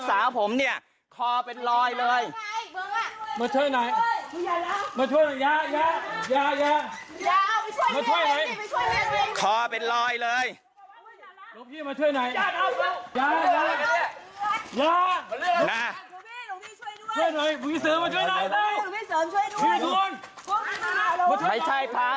อ่าเดี๋ยวดูคลิปหน้า